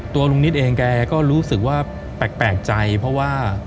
ลุงนิดเองแกก็รู้สึกว่าแปลกใจเพราะว่า